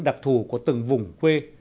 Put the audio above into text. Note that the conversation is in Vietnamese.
đặc thù của từng vùng quê